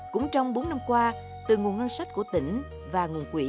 cũng trong bốn năm qua từ nguồn ngân sách của tỉnh và nguồn quỹ